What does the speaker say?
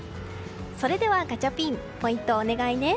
それではガチャピンポイントをお願いね。